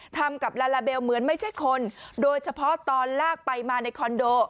ทำกับลาลาเบลเหมือนไม่ใช่คนโดยเฉพาะตอนลากไปมาในคอนโด